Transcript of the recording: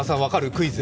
クイズ。